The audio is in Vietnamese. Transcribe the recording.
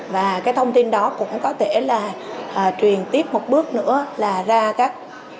và cái thông tin đó cũng có thể là truyền tiếp một bước nữa là ra các